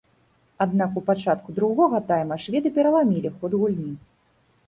Аднак у пачатку другога тайма шведы пераламілі ход гульні.